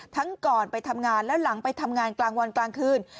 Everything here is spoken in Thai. ก่อนไปทำงานแล้วหลังไปทำงานกลางวันกลางคืน